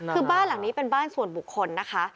คือบ้านหลังนี้เป็นบ้านส่วนบุคคลนะคะ